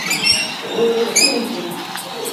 uyu si njye